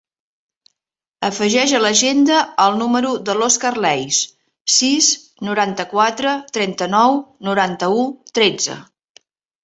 Afegeix a l'agenda el número de l'Òscar Leis: sis, noranta-quatre, trenta-nou, noranta-u, tretze.